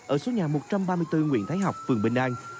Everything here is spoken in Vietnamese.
ở số nhà một trăm ba mươi bốn nguyễn thái học phường bình an